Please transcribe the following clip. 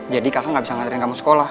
jadi kakak gak bisa ngaterin kamu sekolah